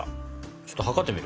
ちょっと測ってみる？